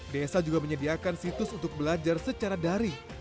desa juga menyediakan situs untuk belajar secara daring